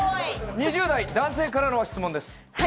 ２０代男性からの質問です。